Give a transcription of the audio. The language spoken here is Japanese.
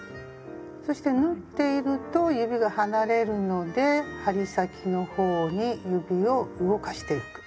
そして縫っていると指が離れるので針先の方に指を動かしてゆく。